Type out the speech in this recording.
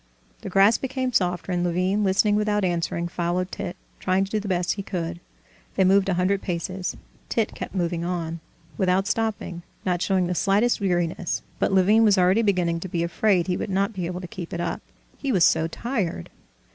The grass became softer, and Levin, listening without answering, followed Tit, trying to do the best he could. They moved a hundred paces. Tit kept moving on, without stopping, not showing the slightest weariness, but Levin was already beginning to be afraid he would not be able to keep it up: he was so tired.